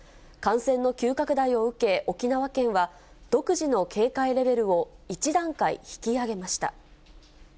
感染の急拡大を受け、沖縄県は独自の警戒レベルを１段階引き上げました。